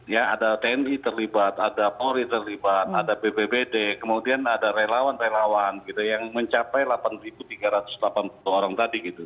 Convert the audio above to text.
ya ada tni terlibat ada polri terlibat ada bpbd kemudian ada relawan relawan gitu yang mencapai delapan tiga ratus delapan puluh orang tadi gitu